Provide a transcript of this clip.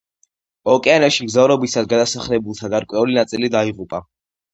ოკეანეში მგზავრობისას გადასახლებულთა გარკვეული ნაწილი დაიღუპა.